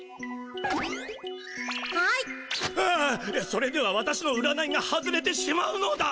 それでは私の占いが外れてしまうのだ！